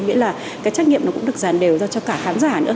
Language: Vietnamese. nghĩa là cái trách nhiệm nó cũng được giàn đều do cho cả khán giả nữa